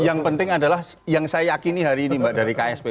yang penting adalah yang saya yakini hari ini mbak dari ksp